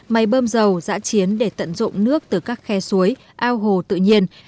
máy bơm dầu giã chiến để tận dụng nước từ các khe suối ao hồ tự nhiên